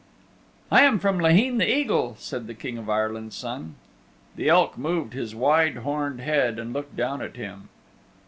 "I am from Laheen the Eagle," said the King of Ireland's Son. The Elk moved his wide horned head and looked down at him.